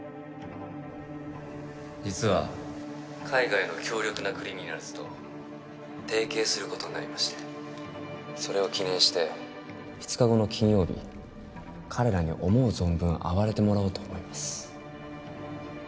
実は海外の強力なクリミナルズと提携することになりましてそれを記念して２日後の金曜日彼らに思う存分暴れてもらおうと思います